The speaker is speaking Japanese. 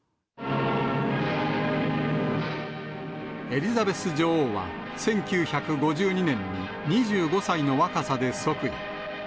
エリザベス女王は１９５２年に２５歳の若さで即位。